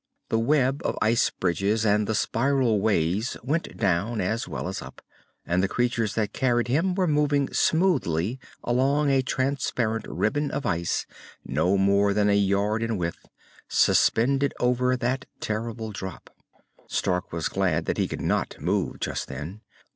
The web of ice bridges and the spiral ways went down as well as up, and the creatures that carried him were moving smoothly along a transparent ribbon of ice no more than a yard in width, suspended over that terrible drop. Stark was glad that he could not move just then.